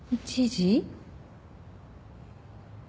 １時？